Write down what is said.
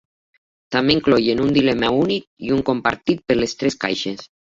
També incloïen un dilema únic i un compartit per les tres caixes.